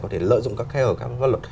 có thể lợi dụng các kheo các văn luận